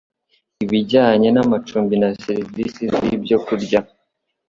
Ibijyanye n'amacumbi na serivisi z'ibyo kurya